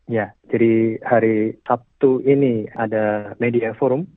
ya jadi hari sabtu ini ada media forum